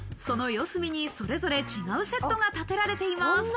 その四隅にそれぞれ違うセットが建てられています。